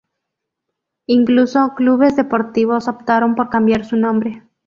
Incluso clubes deportivos optaron por cambiar su nombre.